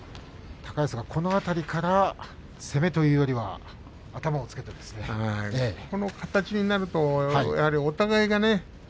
高安がこの辺りから攻めというよりはこの形になるとやはりお互いがね